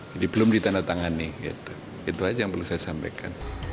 jadi belum ditandatangani itu saja yang perlu saya sampaikan